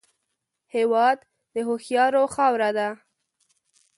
هېواد د هوښیارو خاوره ده